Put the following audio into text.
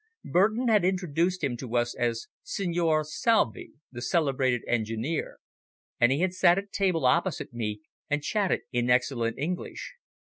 Burton had introduced him to us as Signor Salvi, the celebrated engineer, and he had sat at table opposite me and chatted in excellent English.